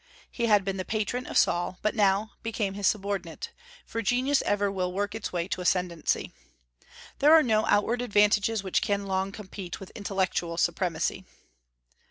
He had been the patron of Saul, but now became his subordinate; for genius ever will work its way to ascendency. There are no outward advantages which can long compete with intellectual supremacy.